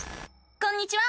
こんにちは！